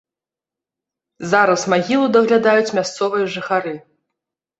Зараз магілу даглядаюць мясцовыя жыхары.